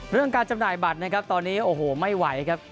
เรื่องการจำหน่ายบัตรนะครับตอนนี้โอ้โหไม่ไหวครับ